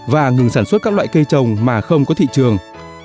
và ngừng sản xuất các loại cây trồng mà không có thị trường